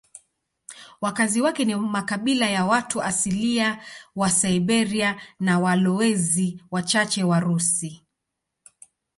Wakazi wake ni makabila ya watu asilia wa Siberia na walowezi wachache Warusi.